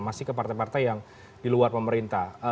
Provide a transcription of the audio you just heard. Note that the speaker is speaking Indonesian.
masih ke partai partai yang di luar pemerintah